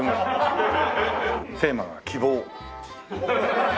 テーマは「希望」。